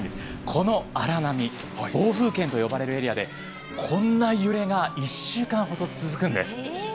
この荒波「暴風圏」と呼ばれるエリアでこんな揺れが１週間ほど続くんです。